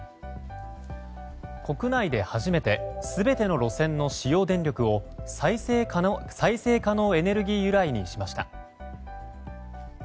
国内で初めて全ての路線の使用電力を再生可能エネルギー由来にしました。